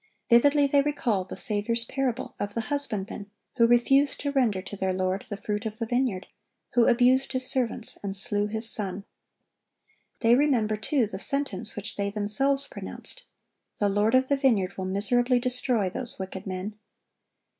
(1113) Vividly they recall the Saviour's parable of the husbandmen who refused to render to their lord the fruit of the vineyard, who abused his servants and slew his son. They remember, too, the sentence which they themselves pronounced: The lord of the vineyard "will miserably destroy those wicked men."